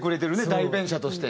代弁者として。